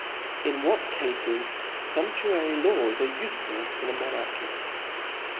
in njohdt Cafes fumptuary Laws are ufejulin d Monarchy.